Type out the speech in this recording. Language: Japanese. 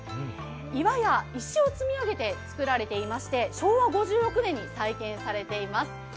岩や石を積み上げてつくられていまして昭和５６年に再建されています。